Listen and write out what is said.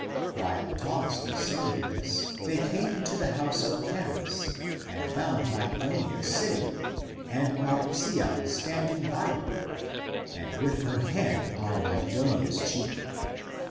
While Thomas was saying this, they came into the house of Charis and found Mygdonia sit ACTS OF THOMAS 33I ting, and Marcia standing by her and with her hand on Mygdonia's cheek.